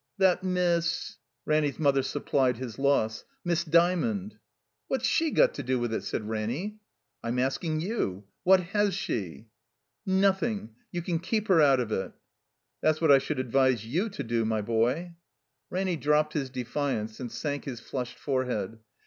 "That Miss—" Ranny 's mother supplied his loss. "Miss Dy mond." "What's she got to do with it?" said Ranny. "I'm asking you. What has she?" *' Nothing. You can keep her out of it. " "That's what I should advise you to do, my boy." Ranny dropi)ed his defiance and sank his flushed forehead.